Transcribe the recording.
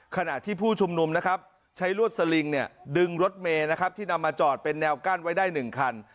ขณะที่ผู้ชุมนุมนะครับใช้ลวดสลิงดึงรถเมย์นะครับที่นำมาจอดเป็นแนวกั้นไว้ได้๑คัน